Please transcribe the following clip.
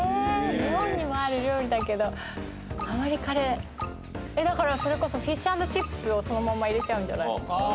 日本にもある料理だけどあまりカレーえっだからそれこそフィッシュ＆チップスをそのまんま入れちゃうんじゃないの？